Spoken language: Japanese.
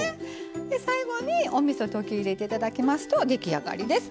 で最後におみそ溶き入れていただきますと出来上がりです。